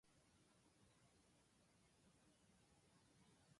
札幌市赤松町